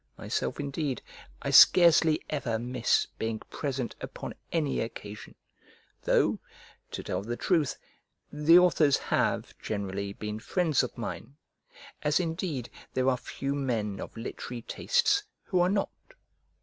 Myself indeed, I scarcely ever miss being present upon any occasion; though, to tell the truth, the authors have generally been friends of mine, as indeed there are few men of literary tastes who are not.